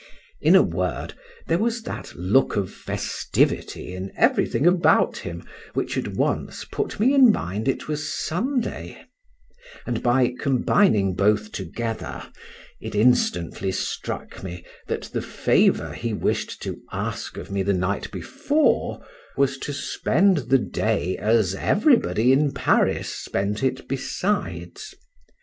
—In a word, there was that look of festivity in everything about him, which at once put me in mind it was Sunday;—and, by combining both together, it instantly struck me, that the favour he wish'd to ask of me the night before, was to spend the day as every body in Paris spent it besides.